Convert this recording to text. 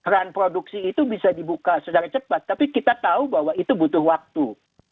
run produksi itu bisa dibuka secara cepat tapi kita tahu bahwa itu butuh waktu